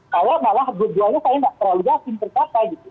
kalau malah perjuangannya saya tidak terlalu yakin terpaksa